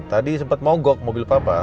tadi sempat mogok mobil papa